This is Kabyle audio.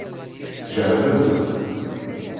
Tjehlemt.